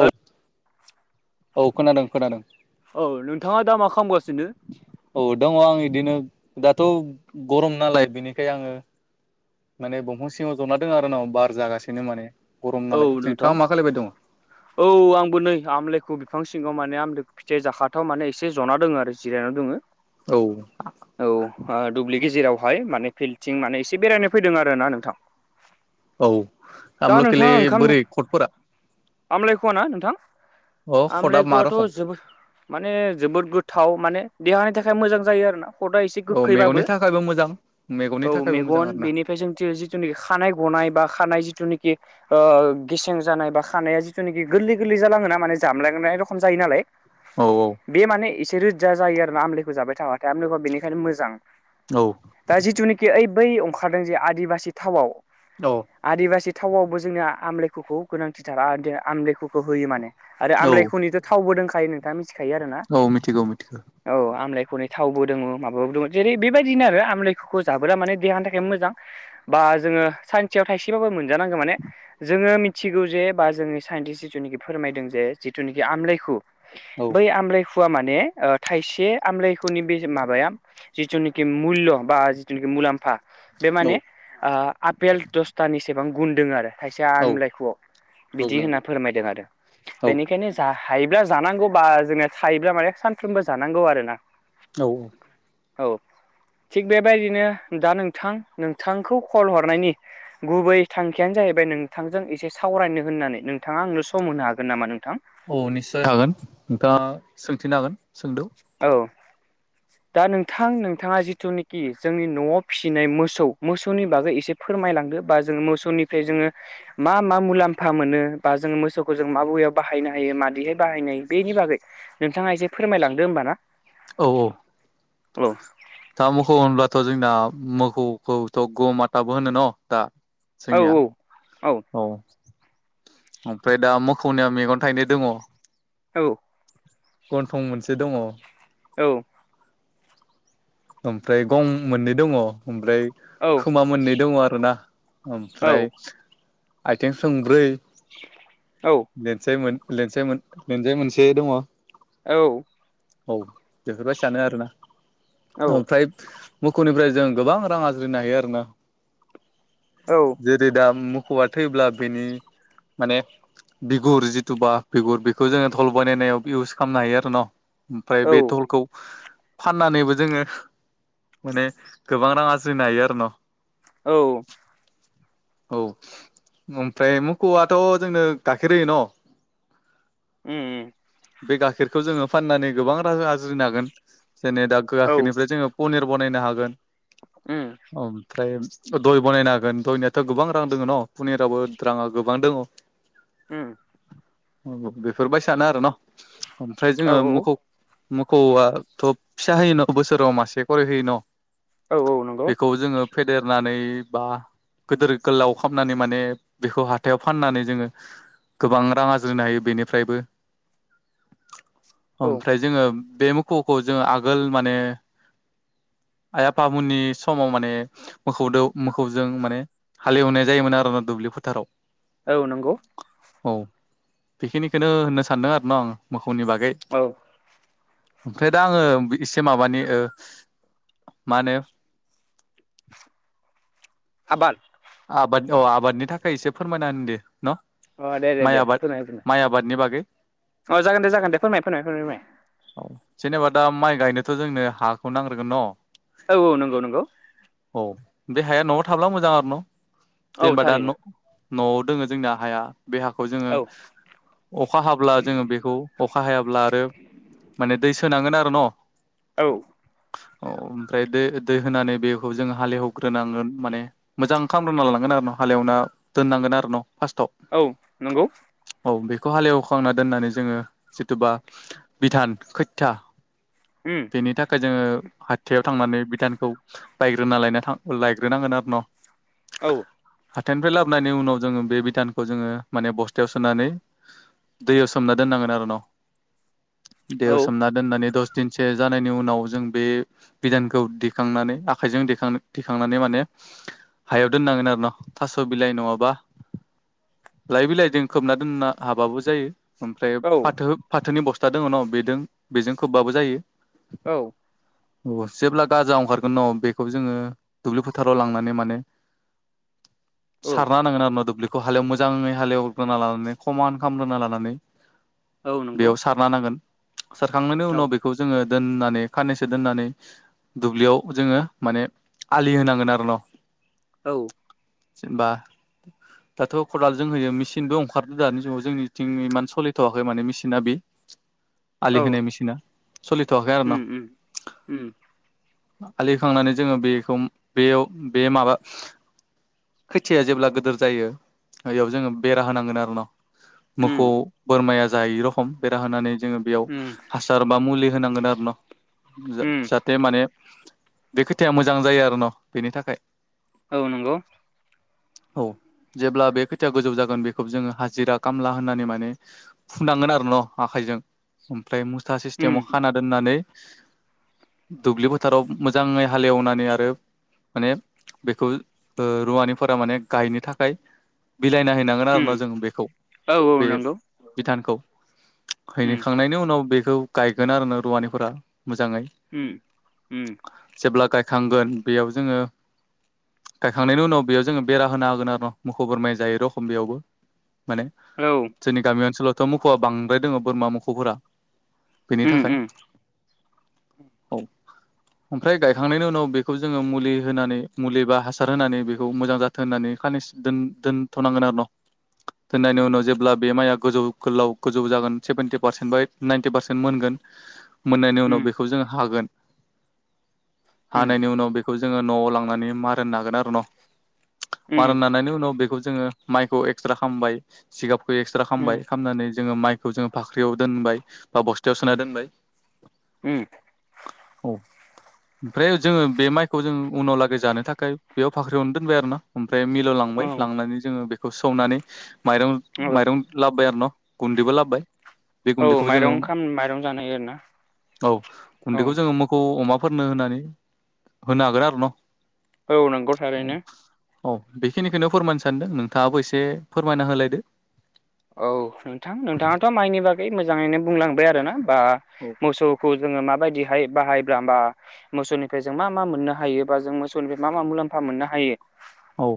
औ औ खोनादों खोनादों। औ नोंथाङा दा मा खालामगासिनो? औ दङ आं इदिनो दाथ' गरम नालाय बेनिखाय आङो माने दंफां सिङाव जना दं आरो ना बार जागासिनो माने गरम औ नालाय नोंथां नोंथाङा मा खालायबाय दङ? औ आंबो नै आमलायखौ बिफां सिङाव माने आम फिथाइ जाखाथाव माने एसे जना दोङ आरो जिरायनानै दोङो। औ। औ दुब्लि गेजेरावहाय माने फिल्थिं माने एसे बेरायनो फैदों आरो ना नोंथां। औ [unintelligible] बोरै खटफोरा आमलायख ना नोंथां अ खटआ मा आमलायख'वाथ' रखम? जोबोद माने जोबोद गोथाव माने देहानि थाखाय मोजां जायो आरो ना। कद एसे औ मेगननि गोखैबाबो थाखायबो मोजां मेगननि औ थाखायबो मोजां मेगन आरोना बेनिफ्राय जों जोंनि खानाय गनाय बा खानाय जिथु नोखि ओ गेसें जानाय बा खानाया जिथुनाखि गोरलै गोरलै जालाङोना माने जामलांनाय रखम जायो नालाय। औ औ। बे माने एसे रोजा जायो आरो ना आमलिखौ जाबाय थाबाथाय आमलिखौ बेनिखायनो मोजां। औ दा जिथुनिखि ओइ बै ओंखारदों जे आदिबासि थावआव। औ आदिबासि थावआवबो जोंना आमलेखुखौ गोनांथिथार आमलेखुखौ होयो माने। आरो औ आमलायखनिथ' थावबो दंखायो नोंथाङा मिथिखायो आरोना। औ मिथिगौ मिथिगौ औ आमलायखौनि थावबो दङ माबाबो दङ जेरै बेबायदिनो आरो आमलाइखखौ जाबोला माने देहानि थाखाय मोजां। बा जोङो सानसेयाव थाइसेबाबो मोनजानांगौ माने जोङो मिथिगौ जे बा जोंनि साइन्टिस्ट जिथुनिखि फोरमायदों जे जिथुनिखि आमलायखौ औ बै आमलायखुआ माने थाइसे आमलायखुनि बे माबाया जिथु नोखि मुल्य बा जिथु नोखि मुलाम्फा बे औ माने ओ आपेल दसथानिसेबां गुन दों आरो। खायसे औ आमलाइख'आव औ बिदि नंगौ होनना फोरमायदों आरो। औ बेनिखायनो जा हायोब्ला जानांगौ बा जोंया थायोब्ला माने सानफ्रोमबो जानांगौ आरोना। [inaudible] औ औ। औ। थिग बेबायदिनो दा नोंथां नोंथांखौ कल हरनायनि गुबै थांखियानो जाहैबाय नोंथांजों एसे सावरायनो होननानै नोंथाङा आंनो सम होनो हागोन नामा नोंथां? औ निस्सय हागोन नोंथाङा सोंथिनो हागोन सोंदो। औ। दा नोंथां नोंथाङा जिथुनिखि जोंनि न'आव फिसिनाय मोसौ मोसौनि बागै एसे - फोरमायलांदो बा जोङो मोसौनिफ्राय जोङो मा मा मुलाम्फा मोनो बा जोङो मोसौखौ जों मा बेयाव बाहायनो हायो माबैहाय बाहायनो हायो बेनि बागै। नोंथाङा एसे फोरमायलांदो होमबाना औ औ औ दा मोखौ होनब्लाथ' जोंना मोखौखौथ' ग माथाबो होनो न' दा। औ जोंनिया औ ओमफ्राय दा मोखौनिया मेगन थाइनै दङ। औ। गन्थं मोनसे दङ। औ। ओमफ्राय गं मोननै दङ ओमफ्राय औ खोमा मोननै दङ आरोना औ ओमफ्राय आयथें थोंब्रै औ। लेन्साय मो लेनसाय मो लेन्जाय मोनसे दङ। औ। औ बेफोरबायसानो आरोना मोखौनिफ्राय जों गोबां रां आरजिनो हायो आरोना। औ जे दा मोखौवा थैब्ला बेनि माने बिगुर जिथुबा बिगुर बेखौ जोङो धल बानायनायाव इउस खालामनो हायो आरोन' ओमफ्राय औ बे धलखौ फाननानैबो जोङो माने गोबां रां आरजिनो हायो आरो न' औ। औ ओमफ्राय मोखौआथ' जोंनो गाखेर होयो न' उम उम। बे गाखेरखौ जोङो फाननानै गोबां रां आरजिनो हागोन जेने दा औ उम गाखेरनिफ्राय जोङो पनिर बानायनो हागोन ओमफ्राय दय बनायनो हागोन दयनिया दा गोबां रां दङ न' पनिरावबो राङा गोबां दङ। उम। औ बेफोरबायसानो आरो न' ओमफ्राय औ जोङो औ मोखौ मोखौवाथ' फिसा होयोन' बोसोराव मासे करै होयो न'? औ औ नंगौ बेखौ जोङो फेदेरनानै बा गोदोर गोलाव खालामनानै माने बेखौ हाथायाव फाननानै जोङो गोबां रां आरजिनो हायो बेनिफ्रायबो [inaudible] ओमफ्राय जोङो बे मोखौखौ जोङो आगोल माने आइ आफामोननि समाव माने मोखौदो मोखौजों माने हालेवनाय जायोमोन आरोना दुब्लि फोथाराव औ नंगौ। औ बेखिनिखौनो होननो सानदों आरो न आं मोखौनि बागै। औ ओमफ्राय दा आङो एसे माबानि ओ मा होनो आबाद आबाद औ आबादनि थाखाय एसे फोरमायना होनि दे न' अ दे दे दे माइ आबाद फोरमाय फोरमाय माइ आबादनि बागै अ जागोन दे जागोन दे फोरमाय फोरमाय फोरमाय। औ जेनेबा दा माइ गायनोथ' जोंनो हाखौ नांग्रोगोन न' औ औ नंगौ नंगौ। औ बे हाया न'आव थाब्ला मोजां आरो न' औ जेनेबा दा थारैनो न न'आव दोङो जोंना हाया बे हाखौ जोङो औ अखा हाब्ला जोङो बेखौ अखा हायाब्ला आरो माने दै सोनांगोन आरो न' औ। औ ओमफ्राय दै दै होनानै बेखौ जों हालेवग्रोनांगोन माने मोजां खालामग्रोना लानांगोन आरो न हालेवना दोननांगोन आरो न' फार्स्टआव। औ नंगौ। औ बेखौ हालेवखांना दोननानै जोङो जिथुबा बिधान खैथथा। उम बेनि थाखाय जोङो हाथायाव थांनानै बिधानखौ बायग्रोना लायना थां लायग्रोनांगोन आरो ना औ हाथायनिफ्राय लाबनायनि उनाव जोङो बे बिधानखौ जोङो माने बस्थायाव सोनानै दैयाव सोमना दोननांगोन आरो न' दैयाव औ सोमना दोननानै दस दिनसो जानायनि उनाव जों बे बिदानखौ दिखांनानै आखाइजों दिखां दिखांनानै माने हायाव दोननांगोन आरो न' थास' बिलाइ नङाबा लाय बिलइजों खोबना दोनना हाबाबो जायो। ओमफ्राय औ फाथो फाथोनि बस्था दङ न' बेदों बेजों खोबबाबो जायो। औ औ जेब्ला गाजा अंखारगोन न' बेखौ जोङो दुब्लि फोथाराव लांनानै माने औ सारना होनांगोन आरो ना दुब्लि हालेव मोजाङै हालेव ग्रोना लानानै खमान खामग्रोना लानानै औ नंगौ बेयाव सारना होनांगोन सारखांनायनि औ उनाव बेखौ जोङो दोननानै खाननैसो दोननानै दुब्लियाव जोङो माने आलि होनांगोन आरो न'। औ जेनबा दाथ' खदालजों होयो मेसिनबो अखारदो दानि जुगाव जोंनिथिं इमान सलिथ'वाखै माने मेसिना बि आलि औ होनाय मेसिना सलिथ'आखै आरो उम न' उम उम आलि होखांनानै जोङो बेखौ बेयाव बे माबा खैथिया जेब्ला गोदोर जायो बेयाव जोङो बेरा होनांगोन आरो न'। उम मोखौ बोरमाया जायै रखम बेरा होनानै जोङो बेयाव उम हासार बा मुलि होनांगोन आरो न उम बे माने बे खोथाया मोजां जायो आरो न' बेनि थाखाय। औ नंगौ। औ जेब्ला बे खोथाया गोजौ जागोन बेखौ जोङो हाजिरा खामला होननानै माने फुनांगोन आरो न। आखाइजों ओमफ्राय मुथा उम सिस्टेमाव खाना दोननानै दुब्लि फोथाराव मोजाङै हालेवनानै आरो माने बेखौ ओ रुवानिफोरा माने गायनो थाखाय बिलाइना हैनांगोन आरो उम ना जों बेखौ औ औ बे नंगौ बिधानखौ उम हैखांनायनि उनाव बेखौ गायगोन आरो न रुवानिफोरा मोजाङै। उम उम जेब्ला गायखांगोन बेयाव जोङो गायखांनायनि उनाव बेयाव जोङो बेरा होना होगोन आरो मोखौ बोरमाया जायै रखम बेयावबो। माने औ जोंनि गामि ओनसोलावथ' मोखौआ बांद्राय दोङो बोरमा मोखौफोरा बेनि उम थाखाय उम औ ओमफ्राय गायखांनायनि उनाव बेखौ जोङो मुलि होनानै मुलि बा हासार होनानै बेखौ मोजां जा होननानै खाननैसो दोन दोनथ' नांगोन दोन दोनथ'नांगोन आरो न'। दोननायनि उम उनाव जेब्ला बे माइआ गोजौ गोलाव गोजौ जागोन सेभेनटि पारसेन्ट बा नायेनटि पारसेन्ट मोनगोन मोननायनि उनाव उम बे खौ जोङो हागोन हानायनि उनाव बे खौ जोङो न'आव लांनानै मारोन नागोन आरो न' मारोन नानायनि उनाव बेखौ जोङो माइखौ एक्सरा खामबाय जिगाबखौ एक्सरा उम खामबाय खामनानै जोङो माइखौ जोङो फाख्रियाव दोनबाय बा बस्थायाव सोना दोनबाय। उम औ। [inaudible] ओमफ्राय जोङो बे माइखौ जों उनाव लागै जानो थाखाय बेयाव फाख्रियावनो दोनबाय आरो ना ओमफ्राय मिल लां बाय उम लांनानै जोङो बेखौ सौनानै माइरं औ माइरं लाबोबाय आरो न' गुन्दैबो लाबोबाय बे औ गुन्दैखौ जोङो माइरं खाम माइरं जानो नागिरोना औ गुन्दैखौ औ जोङो मो खौ अमाफोरनो होनानै होनो हागोन आरो न' औ नंगौ थारैनो। औ बेखिनिखौनो फोरमायनो सानदों नोंथाङाबो एसे फोरमायना होलायदो। औ नोंथां नोंथाङाथ' माइनि बागै मोजाङैनो बुंलांबाय आरोना बा मोसौखौ जोङो माबायदिहाय बाहायब्ला होमबा मोसौनिफ्राय जों मा मा मोननो हायो बा जों मोसौनिफ्राय मा मा मुलाम्फा मोननो हायो। औ।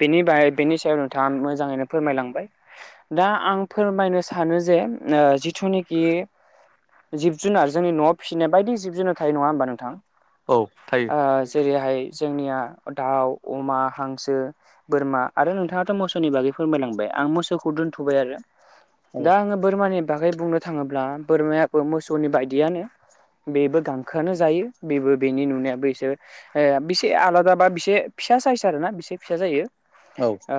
बेनि बाय बेनि सायाव नोंथाङा मोजाङैनो फोरमायलांबाय। दा आं फोरमायनो सानो जे ओ जिथुनाखि जिब जुनार जोंनि न'आव फिसिनाय बायदि जिब जुनार थायो नङा होनोमबा नोंथां। औ थायो। ओ जेरैहाय जोंनिया दाउ अमा हांसो बोरमा आरो नोंथाङाथ' मोसौनि बागै फोरमायलांबाय आं मोसौखौ दोन थ'बाय आरो औ दा आङो बोरमानि बागै बुंनो थाङोब्ला बोरमायाबो मोसौनि बायदियानो बेबो गांखोआनो जायो बेबो बेनि नुनायाबो इसोर ए बेसे आलादा बा बिसे फिसा साइस आर ना बिसे फिसा जायो। औ। आ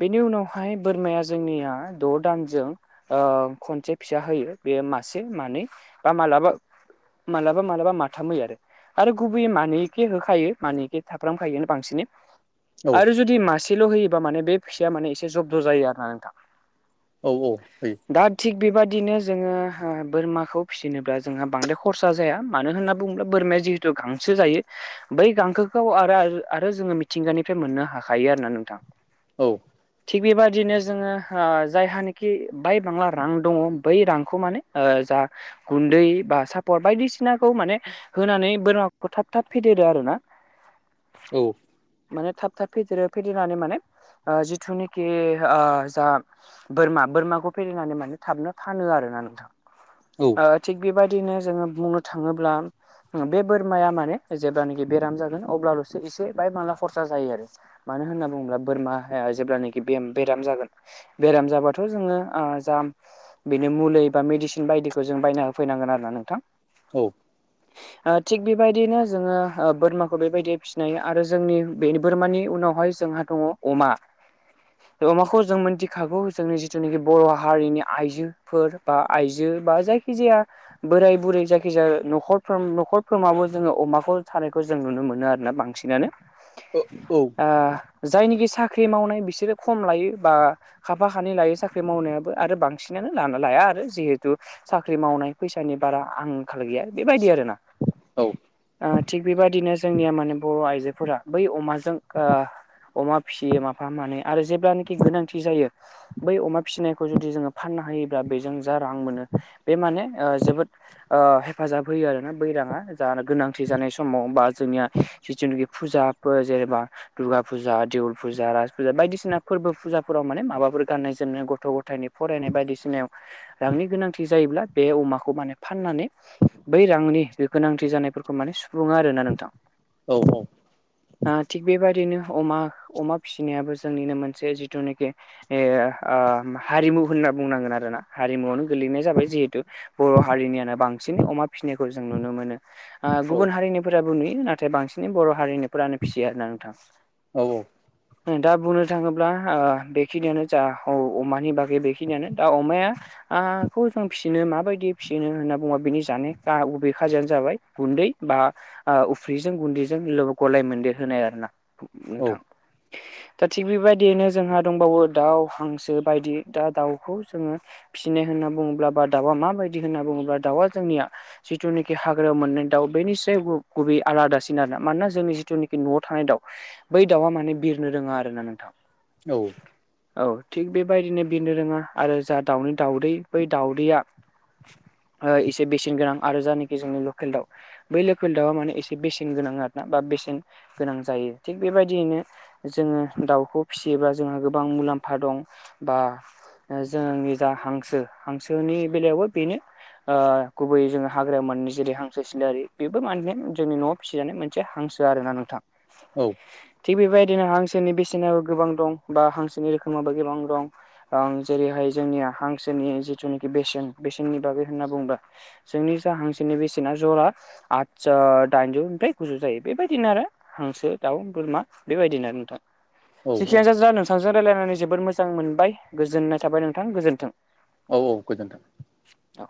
बेनि उनावहाय बोरमाया ज जोंनिया द' दानजों ओ खनसे फिसा होयो बेयो मासे मानै। बा मालाबा मालाबा मालाबा माथाम होयो आरो आरो गुबैयै मानैखे होखायो मानैखे थाफ्रामखायो बांसिनै। औ आरो जुदि मासेल' होयोबा माने बे फिसाया माने एसे जब्द' जायो आरो ना औ औ फै दा थिग बेबादिनो जोङो बोरमाखौ फिसिनोब्ला जोंहा बांद्राय खरसा जाया मानो होनना बुङोब्ला बोरमाया जि गांसो जायो। बै गांखोखौ आरो आरो आरो जोङो मिथिंगानिफ्राय मोननो हाखायो आरोना नोंथां। औ। थिग बेबादिनो जोङो जायहानिाखि बाय बांला रां दङ बै रांखौ माने जा गुन्दै बा सापर बायदिसिनाखौ माने होनानै बोरमाखौ थाब थाब फेदेरो आरो ना। [inaudible] औ। माने थाब थाब फेदेरो फेदेरनानै माने जिथुनाखि जा बोरमा बोरमाखौ फेदेरनानै माने थाबनो फानो आर ना नोंथां। औ। ओ थिग बेबायदिनो जोङो बुंनो थाङोब्ला बे बोरमाया माने जेब्लानोखि बेराम जागोन अब्लाल'सो एसे बाहाय माला खरसा जायो आरो मानो होनना बुङोब्ला बोरमाया जेब्लानोाखि बेम-बेराम जागोन बेराम जाबाथ' जोङो ओ जा बेनो मुलि बा मेडिसिन बायदिखौ जों बायना होफैनांगोन आरो ना नोंथां। औ। [inaudible] थिग बेबायदिनो जोङो बोरमाखौ बेबायदि फिसिनाय आरो जोंनि बे बोरमानि उनावहाय जोंहा। दङ अमा अमाखौ जों मोनथिखागौ जोंनि जिथुनिखि बर' हारिनि आइजोफोर बा आइजो बा जायखिजाया बोराय बुरै जायखिजाया नखरफ्रोम न'खरफोरोमाबो जोङो अमाखौ थानायखौ जों नुनो मोनो आरोना बांसिनानो। औ ओ जायनिखि साख्रि मावनाय बिसोरो खम लायो। बा खााफा खानै लायो साख्रि मावनायाबो आरो बांसिनानो लाना लाया आरो जिहेतु साख्रि मावनाय फैसानि बारा आंखाल गैया बेबायदि आरोना। औ ओ थिग बेबदिनो जोंनिया माने बर' आइजोफोरा बै अमाजों ओ अमा फिसियो माफा मानै आरो जेब्लानोखि गोनांथि जायो। बै अमा फिसिनायखौ जुदि जोङो फान्ना होयोब्ला बेजों जा रां मोनो बे माने जोबोद ओ हेफाजाब होयो आरोना बै राङा जा गोनांथि जानाय समाव बा जोंनिया जिथुुनुखि फुजाफोर जेनेबा दुर्गा फुजा देवल फुजा राज फुजा बायदिसिना फोरबो फुजाफोराव माने माबाफोर गाननाय जोमनाय गथ' गथायनि फरायनाय बायदिसिनायाव रांनि गोनांथि जायोब्ला बे अमाखौ माने फाननानै बै रांनि बे गोनांथि जानायफोरखौ माने सुफुङो आरोना नोंथां। औ औ ओ थिग बेबदिनो अमा अमा फिसिनायाबो जोंनिनो मोनसे जिथुनाखि ए ओ हारिमु होनना बुंनांगोन आरोना हारिमुवनो गोलैनाय जाबाय जिहेथु बर' हारिनियानो बांसिन अमा फिसिनायखौ जों नुनो मोनो गुबुन हारिनिफोराबो नुयो नाथाय बांसिनै बर' हारिनि फोरानो फिसियो आरो ना नोंथां दा बुंनो थाङो अब्ला ओ बेखिनियानो जा औ अमानि बागै बेखिनियानो दा अमाया आखौ जों फिसिनो माबायदि फिसिनो होनना बुंबा बिनि जानाय‌ खा गुबै खाजायानो जाबाय गुन्दै बा ओ उफ्रिजों गुन्दैजों ल गलाय मोनदेर होनाय आरो ना औ दा थिग बेबाय दियैनो जोंहा दंबावो दाउ हांसो बायदि दा दाउखौ जोङो फिसिनाय होनना बुङोब्ला बा दाउआ माबायदि होनना बुङोब्ला दाउआ जोंनिया जिथुनाखि हाग्रायाव मोननाय दाउ बेनिस्राय गु-गुबै आलादासिन आरो मानोना जोंनि जिथुनिखि न'आव थानाय दाउ। बै दाउआ माने बिरनो रोङा आरोना नोंथां। औ औ थिग बेबायदिनो बिनो रोङा आरो जा दाउनि दाउदै बै दाउदैया ओ एसे बेसेन गोनां आरो जानिखि जोंनि लकेल दाउ बै लोखोल दाउआ माने एसे बेसेन गोनां आरोना बा बेसेन गोनां जायो थिग बेबायदियैनो जोङो दाउखौ फिसियोबा जोंहा गोबां मुलाम्फा दं बा जोंनि जा हांसो हांसोनि बेलायावबो बेनो। ओ गुबै जोङो हाग्रायाव मोनो जेरै हांसो सिलारि बेबो माने जोंनि न'आव फिसिजानाय मोनसे हांसो आरो ना नोंथां। औ थिग बेबायदिनो हांसोनि बेसेनाबो गोबां दं बा हांसोनि रोखोमाबो गोबां दं। आं जेरैहाय जोंनिया हांसोनि जिथुनिखि बेसेन बेसेननि बागै होनना बुंङोबा जोंनि जा हांसोनि बेसेना जरा आद दाइनजौनिफ्राय गुजौ जायो बेबायदिनो आरो हांसो दाउ बोरमा बेबायदिनो आरो नोंथां। औ जेखियानो जाजा नोंथांजों रायजलायनानै जोबोद मोजां मोनबाय गोजोननाय थाबाय नोंथां गोजोन्थों। औ औ गोजोन्थों। औ।